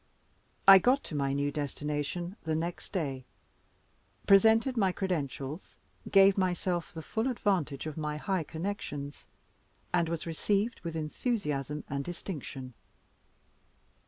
I got to my new destination the next day, presented my credentials, gave myself the full advantage of my high connections, and was received with enthusiasm and distinction.